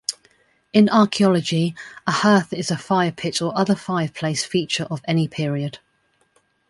In archaeology, a hearth is a firepit or other fireplace feature of any period.